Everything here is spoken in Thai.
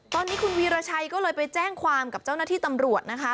ตอนนี้คุณวีรชัยก็เลยไปแจ้งความกับเจ้าหน้าที่ตำรวจนะคะ